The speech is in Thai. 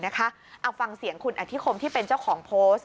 เอาฟังเสียงคุณอธิคมที่เป็นเจ้าของโพสต์